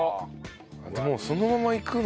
もうそのままいくの？